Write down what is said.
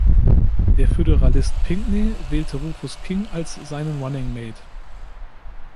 Der Föderalist Pinckney wählte Rufus King als seinen Running Mate.